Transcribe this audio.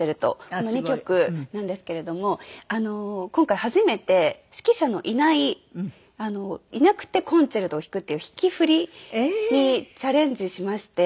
この２曲なんですけれども今回初めて指揮者のいないいなくて『コンチェルト』を弾くっていう弾き振りにチャレンジしまして。